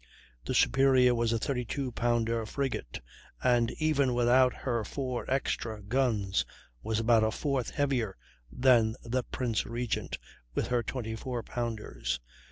The Superior was a 32 pounder frigate, and, even without her four extra guns, was about a fourth heavier than the Prince Regent with her 24 pounders.